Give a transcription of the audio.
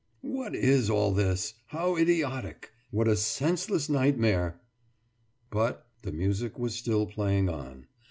»What is all this? How idiotic! What a senseless nightmare!« But the music was still playing on.